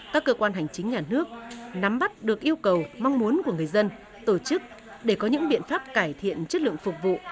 các cơ quan hành chính nhà nước nắm bắt được yêu cầu mong muốn của người dân tổ chức để có những biện pháp cải thiện chất lượng phục vụ